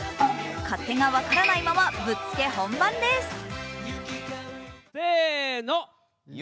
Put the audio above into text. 勝手が分からないまま、ぶっつけ本番です。